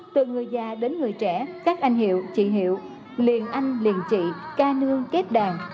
từ người già đến người trẻ các anh hiệu chị hiệu liền anh liền trị ca nương kép đàn